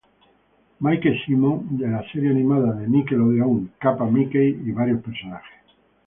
Mikey Simon en la serie animada de Nickelodeon Kappa Mikey y varios personajes.